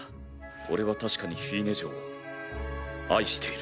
俺は確かにフィーネ嬢を愛している。